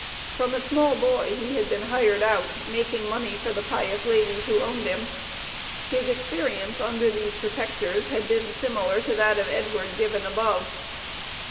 From a small boy he had been hired out, making money for the "pious ladies" who owned him. His experience under these protectors had been similar to that of Edward given above.